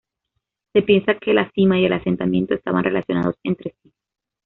Se piensa que la sima y el asentamiento estaban relacionados entre sí.